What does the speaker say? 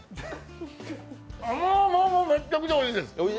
めっちゃくちゃおいしいです。